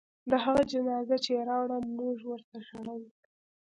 د هغه جنازه چې يې راوړه موږ ورته ژړل.